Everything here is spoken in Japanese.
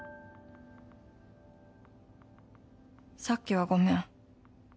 「さっきはごめん。